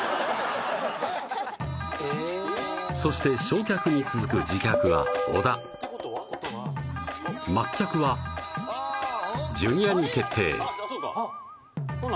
そして正客に続く次客は小田末客はジュニアに決定ほな